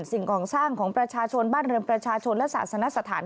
สิ่งก่อสร้างของประชาชนบ้านเรือนประชาชนและศาสนสถาน